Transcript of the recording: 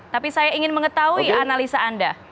tapi saya ingin mengetahui analisa anda